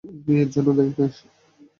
আমি এর জন্য দায়ী নই!